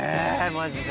マジで。